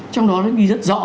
trong đó nó ghi rất rõ